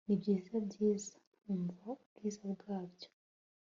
Nibyiza byiza umva ubwiza bwabyo